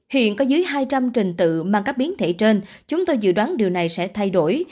hiện có dưới hai trăm linh trình tự mang các biến thể trên chúng tôi dự đoán điều này sẽ thay đổi